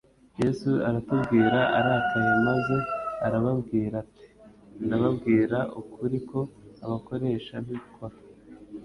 Yesu abatumbira arakaye maze arababwira ati: "Ndababwira ukuri ko abakoresha b'ikoro